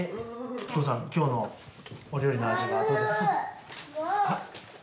お父さん今日のお料理の味はどうですか？